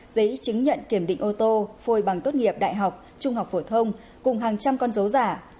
giấy chứng nhận kiểm định ô tô phôi bằng tốt nghiệp đại học trung học phổ thông cùng hàng trăm con dấu giả